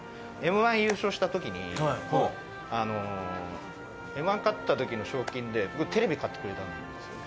１優勝した時にＭ‐１勝った時の賞金で僕、テレビ買ってくれたんですよ。